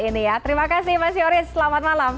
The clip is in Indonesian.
ini ya terima kasih mas yoris selamat malam